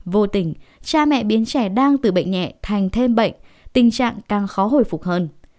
vô tình cha mẹ biến trẻ đang từ bệnh nhẹ thành thêm bệnh tình trạng càng khó hồi phục hơn